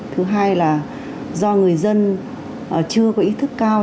thứ hai là do người dân chưa có ý thức cao